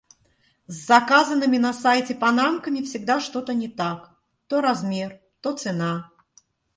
С заказанными на сайте панамками всегда что-то не так. То размер, то цена...